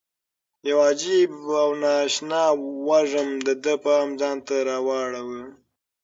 یو عجیب او نا اشنا وږم د ده پام ځان ته واړاوه.